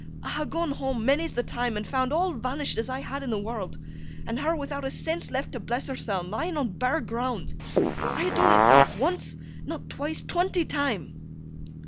I ha' gone home, many's the time, and found all vanished as I had in the world, and her without a sense left to bless herseln lying on bare ground. I ha' dun 't not once, not twice—twenty time!